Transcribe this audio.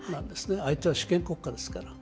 相手は主権国家ですから。